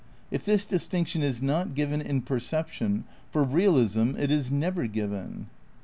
If this distinction is not given in per ception, for realism it is never given.